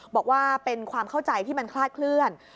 บอกว่าเป็นความเข้าใจที่มันคลาดเคลื่อน